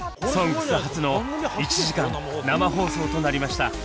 「ＳＯＮＧＳ」初の１時間生放送となりました。